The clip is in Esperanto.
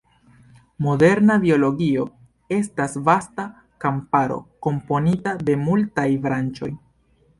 Moderna biologio estas vasta kamparo, komponita de multaj branĉoj.